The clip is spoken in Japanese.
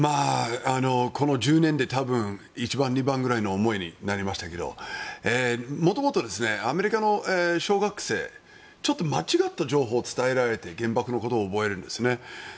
この１０年で多分１番、２番ぐらいの思いになりましたが元々、アメリカの小学生ちょっと間違った情報を伝えられて原爆のことを覚えるんですね。